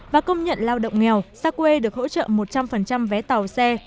và công nhận lao động nghèo xa quê được hỗ trợ một trăm linh vé tàu xe